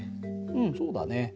うんそうだね。